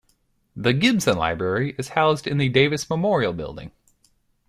The Gibson Library is housed in the Davis Memorial Building.